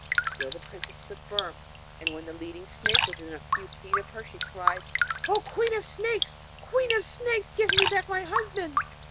Still the princess stood firm, and, when the leading snake was within a few feet of her, she cried: 'Oh, Queen of Snakes, Queen of Snakes, give me back my husband!'